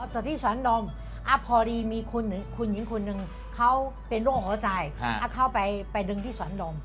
จบที่ศ๐๙อพลีมีคุณหญิงคุณหนึ่งเขาเป็นโรคหัวใจเค้าไปดึงที่ศ๑๐